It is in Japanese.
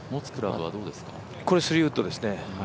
３ウッドですね。